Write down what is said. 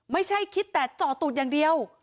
ไม่ใช่คิดแต่จ่อตูดอย่างเดียว